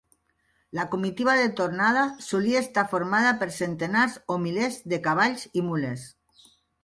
La comitiva de tornada solia estar formada per centenars o milers de cavalls i mules.